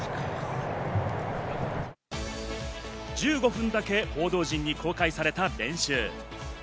１５分だけ報道陣に公開された練習。